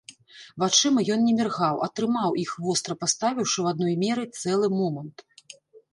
Вачыма ён не міргаў, а трымаў іх, востра паставіўшы ў адной меры цэлы момант.